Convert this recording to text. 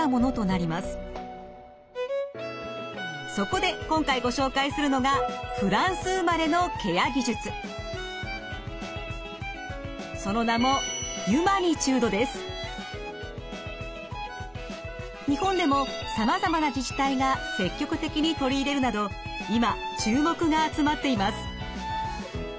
そこで今回ご紹介するのがその名も日本でもさまざまな自治体が積極的に取り入れるなど今注目が集まっています。